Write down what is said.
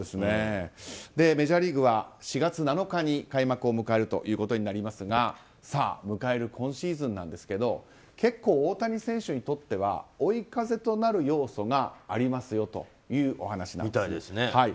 メジャーリーグは４月７日に開幕を迎えることになりますが迎える今シーズンなんですが結構大谷選手にとっては追い風となる要素がありますよというお話なんです。